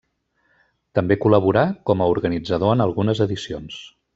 També col·laborà com a organitzador en algunes edicions.